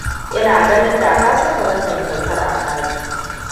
Ina ganin da ka saka wannan kyautar a falo.